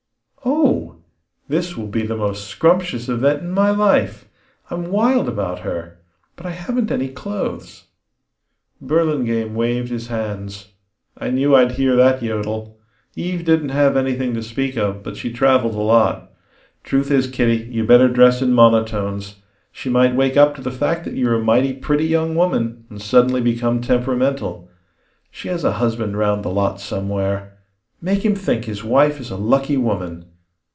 "Oh! This will be the most scrumptious event in my life. I'm wild about her! But I haven't any clothes!" Burlingame waved his hands. "I knew I'd hear that yodel. Eve didn't have anything to speak of, but she travelled a lot. Truth is, Kitty, you'd better dress in monotones. She might wake up to the fact that you're a mighty pretty young woman and suddenly become temperamental. She has a husband round the lot somewhere. Make him think his wife is a lucky woman.